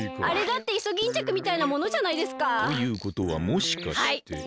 あれだってイソギンチャクみたいなものじゃないですか！？ということはもしかして。